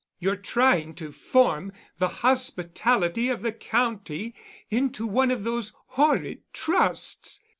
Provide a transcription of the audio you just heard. You're trying to form the hospitality of the county into one of those horrid trusts.